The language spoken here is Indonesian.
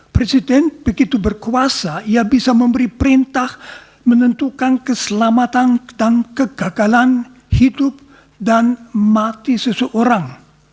presiden begitu berkuasa ia bisa memberi perintah menentukan keselamatan dan kegagalan hidup dan mati seseorang